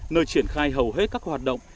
nơi triển khai hầu hết các hoạt động